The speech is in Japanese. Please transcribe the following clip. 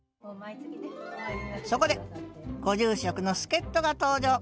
そこでご住職の助っとが登場！